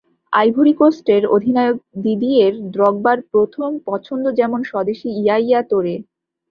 Ivory কোস্টের অধিনায়ক Didier দ্রগবার প্রথম পছন্দ যেমন স্বদেশি ইয়াইয়া তোরে।